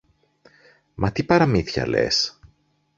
Μα τι παραμύθια λες!